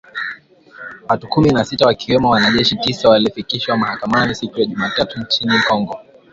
Watu kumi na sita wakiwemo wanajeshi tisa walifikishwa mahakamani siku ya Jumatatu nchini Kongo